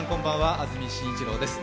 安住紳一郎です。